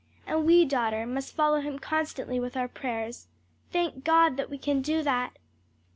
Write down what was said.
And we, daughter, must follow him constantly with our prayers. Thank God that we can do that!"